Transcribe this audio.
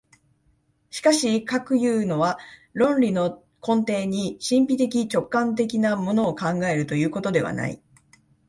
しかしかくいうのは、論理の根底に神秘的直観的なものを考えるということではない。